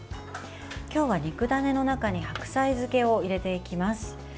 今日は肉ダネの中に白菜漬けを入れていきます。